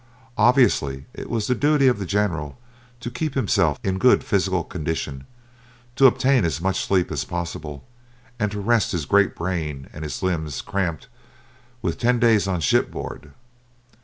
Obviously, it was the duty of the general to keep himself in good physical condition, to obtain as much sleep as possible, and to rest his great brain and his limbs cramped with ten days on shipboard.